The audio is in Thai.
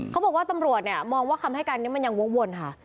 เขาบอกว่าตำรวจเนี่ยมองว่าคำให้การนี้มันยังวกวนค่ะ